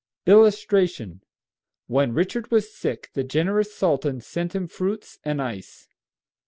[Illustration: WHEN RICHARD WAS SICK THE GENEROUS SULTAN SENT HIM FRUITS AND ICE.